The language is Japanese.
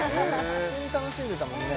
普通に楽しんでたもんね